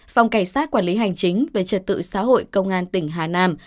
phòng cảnh sát quản lý hành chính về trật tự xã hội công an tỉnh hà nam